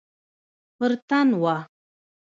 پر تن وه.